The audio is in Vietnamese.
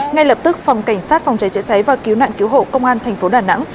ngay lập tức phòng cảnh sát phòng cháy chữa cháy và cứu nạn cứu hộ công an thành phố đà nẵng